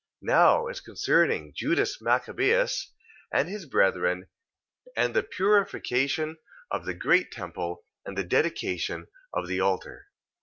2:20. Now as concerning Judas Machabeus, and his brethren, and the purification of the great temple, and the dedication of the altar: 2:21.